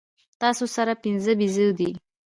تاسو سره پنځۀ بيزې دي